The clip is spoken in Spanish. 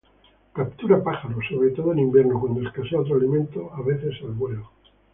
Captura pájaros, sobre todo en invierno cuando escasea otro alimento, a veces al vuelo.